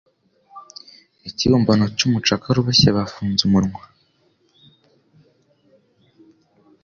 Ikibumbano cy'umucakara uboshye bafunze umunwa